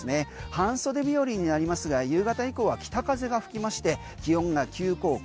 半袖日和になりますが夕方以降は北風が吹きまして気温が急降下。